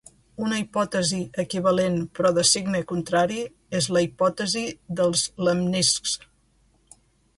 Una hipòtesi equivalent però de signe contrari és la Hipòtesi dels lemniscs.